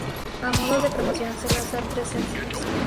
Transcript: A modo de promoción se lanzaron tres sencillos.